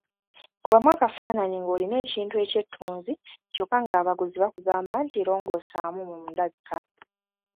Kubamu akafaananyi ng’olina ekintu eky’ettunzi kyokka ng’abaguzi bakugamba nti longoosaamu mu ndabika.